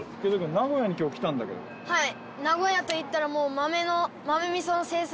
はい。